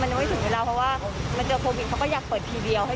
ยังไม่ถึงเวลาเพราะว่ามันเจอโควิดเขาก็อยากเปิดทีเดียว